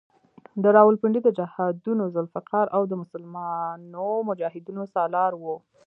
د راولپنډۍ د جهادونو ذوالفقار او د مسلمانو مجاهدینو سالار وو.